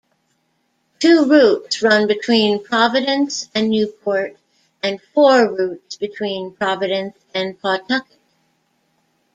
Two routes run between Providence and Newport, and four routes between Providence and Pawtucket.